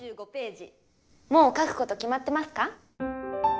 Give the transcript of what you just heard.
もう描くこと決まってますか？